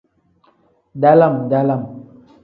Dalam-dalam.